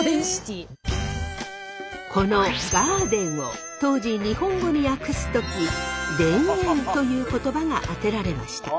この「ガーデン」を当時日本語に訳す時「田園」という言葉が当てられました。